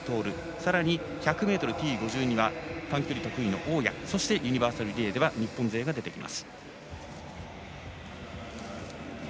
さらに１００ｍＴ５２には短距離が得意の大矢そしてユニバーサルリレーに日本勢が出てきます。